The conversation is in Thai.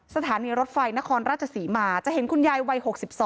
สถานีรถไฟนครราชศรีมาจะเห็นคุณยายวัย๖๒